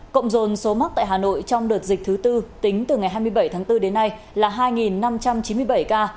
cộng dồn số mắc tại hà nội trong đợt dịch thứ tư tính từ ngày hai mươi bảy tháng bốn đến nay là hai năm trăm chín mươi bảy ca